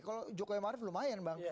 kalau jokowi maruf lumayan bang